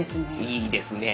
いいですねえ。